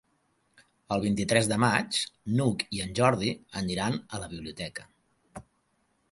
El vint-i-tres de maig n'Hug i en Jordi aniran a la biblioteca.